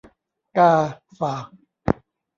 กาฝาก